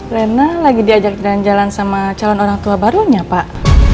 lena lagi diajak jalan jalan sama calon orang tua barunya pak